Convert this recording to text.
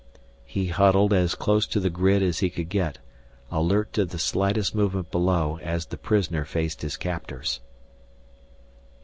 He huddled as close to the grid as he could get, alert to the slightest movement below as the prisoner faced his captors.